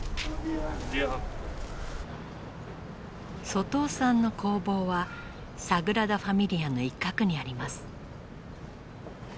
外尾さんの工房はサグラダ・ファミリアの一角にあります。